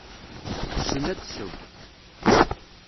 Tessen ad tesseww.